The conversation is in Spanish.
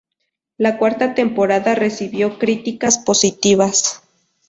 La cuarta temporada recibió críticas positivas.